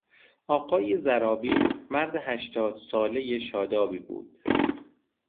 آقای ضرابی مرد هشتاد سالهی شادابی بود.